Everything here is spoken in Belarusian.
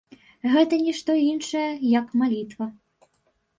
Гэта нішто іншае, як малітва!